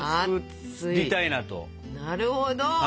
なるほど。